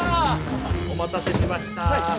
おまたせしました。